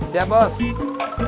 cirebon cirebon ya